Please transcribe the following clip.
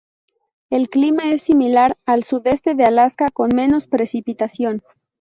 El clima es similar al sudeste de Alaska, con menos precipitación.